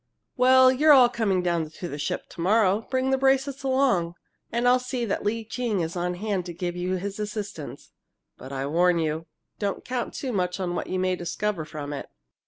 "Well, you're all coming down to visit the ship to morrow. Bring the bracelets along, and I'll see that Lee Ching is on hand to give you his assistance. But I warn you don't count too much on what you may discover from it!